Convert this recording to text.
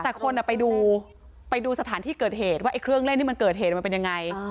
แต่คนไปดูไปดูสถานที่เกิดเหตุว่าเครื่องเล่นที่มันเกิดเหตุมันเป็นยังไง